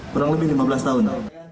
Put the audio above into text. kurang lebih lima belas tahun